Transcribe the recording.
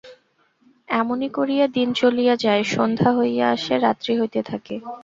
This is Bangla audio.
এমনি করিয়া দিন চলিয়া যায়, সন্ধ্যা হইয়া আসে, রাত্রি হইতে থাকে।